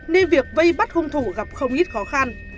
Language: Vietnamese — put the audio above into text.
nên việc vây bắt hung thủ gặp không ít khó khăn